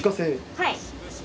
はい。